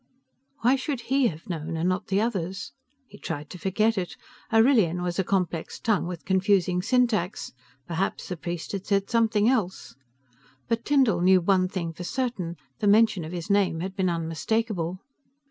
Why should he have known, and not the others? He tried to forget it. Arrillian was a complex tongue with confusing syntax, perhaps the priest had said something else. But Tyndall knew one thing for certain, the mention of his name had been unmistakable.